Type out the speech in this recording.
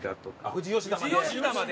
富士吉田まで？